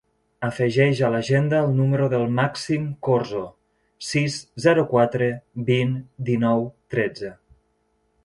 Afegeix a l'agenda el número del Màxim Corzo: sis, zero, quatre, vint, dinou, tretze.